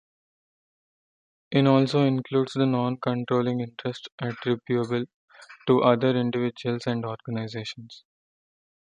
In also includes the Non-Controlling Interest attribuable to other individuals and organisations.